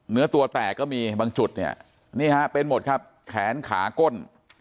เนื้อตัวแตกก็มีบางจุดเนี่ยนี่ฮะเป็นหมดครับแขนขาก้น